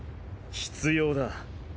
必要だ。